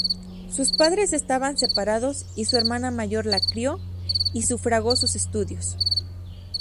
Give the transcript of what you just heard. Sus padres estaban separados, y su hermana mayor la crio y sufragó sus estudios.